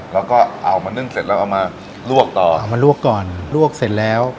แล้วก็เอามานึ่งเสร็จแล้วเอามาลวกต่อเอามาลวกก่อนลวกเสร็จแล้ว